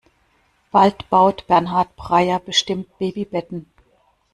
Bald baut Bernhard Breyer bestimmt Babybetten.